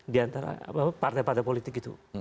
di antara partai partai politik itu